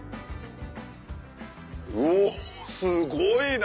うおっすごいな！